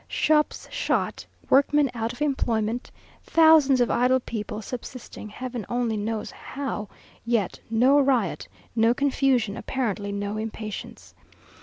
Shops shut, workmen out of employment, thousands of idle people, subsisting, Heaven only knows how, yet no riot, no confusion, apparently no impatience.